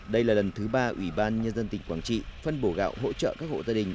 đây là lần thứ ba ubnd tỉnh quảng trị phân bổ gạo hỗ trợ các hộ gia đình